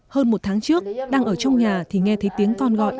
hơn một tháng trước đang ở trong nhà thì nghe thấy tiếng con gọi